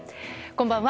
こんばんは。